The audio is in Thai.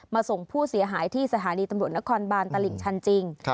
ส่งผู้เสียหายที่สถานีตำรวจนครบานตลิ่งชันจริง